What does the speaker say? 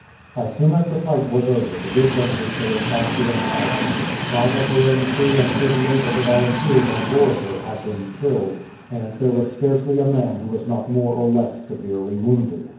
As soon as the fight was over the Good Venture sailed back to Enkhuizen. Five of her own crew and thirty eight of the volunteers on board her had been killed, and there was scarcely a man who was not more or less severely wounded.